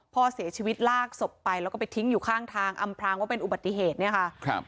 พ่อเสียชีวิตลากศพไปแล้วก็ไปทิ้งอยู่ข้างทางอำพรางว่าเป็นอุบัติเหตุเนี่ยค่ะครับ